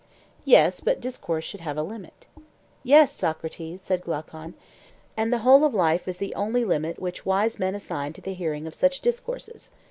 Yes, but discourse should have a limit. Yes, Socrates, said Glaucon, and the whole of life is the only limit which wise men assign to the hearing of such discourses.